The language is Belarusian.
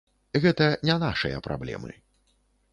Гэта не нашыя праблемы.